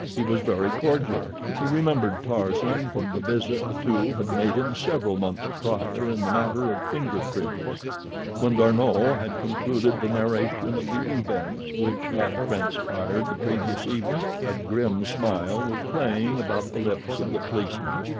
He was very cordial. He remembered Tarzan from the visit the two had made him several months prior in the matter of finger prints. When D'Arnot had concluded the narration of the events which had transpired the previous evening, a grim smile was playing about the lips of the policeman.